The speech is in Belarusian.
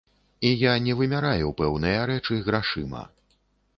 І я не вымяраю пэўныя рэчы грашыма.